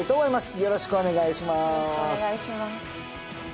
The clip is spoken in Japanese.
よろしくお願いします